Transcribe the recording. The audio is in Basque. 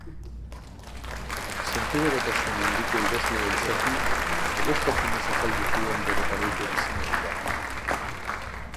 Sentiberatasun handiko idazlea izaki, zorroztasunez azaldu zuen bere garaiko bizimodua.